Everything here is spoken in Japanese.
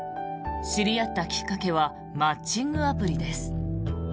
知り合ったきっかけはマッチングアプリです。